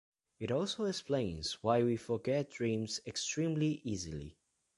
It also explains why we forget dreams extremely easily.